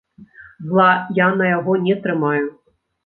Зла я на яго не трымаю.